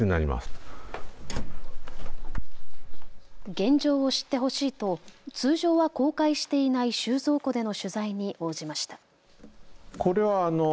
現状を知ってほしいと通常は公開していない収蔵庫での取材に応じました。